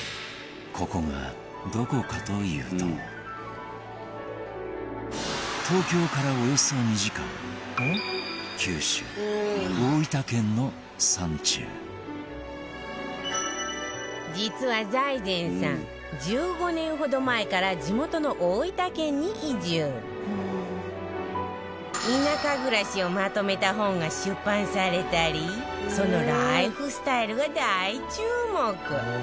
ここが、どこかというと東京から、およそ２時間九州、大分県の山中実は、財前さん１５年ほど前から地元の大分県に移住田舎暮らしをまとめた本が出版されたりそのライフスタイルが大注目！